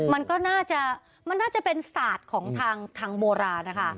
อ๋อมันก็น่าจะเป็นสาดของทางโบราณนะคะ